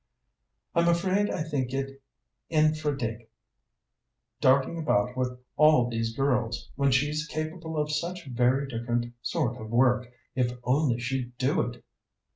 "I'm afraid I think it infra dig. Darting about with all these girls, when she's capable of such very different sort of work if only she'd do it!"